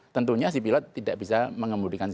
tentunya si pilot tidak bisa mengemudikan